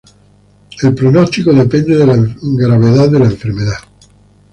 El pronóstico depende la gravedad de la enfermedad.